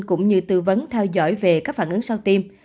cũng như tư vấn theo dõi về các phản ứng sau tim